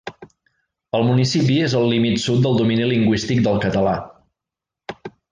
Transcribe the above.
El municipi és el límit sud del domini lingüístic del català.